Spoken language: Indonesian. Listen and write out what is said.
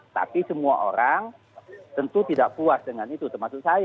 tapi semua orang tentu tidak puas dengan itu termasuk saya